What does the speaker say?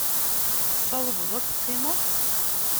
Tessawḍeḍ ad teqqimeḍ?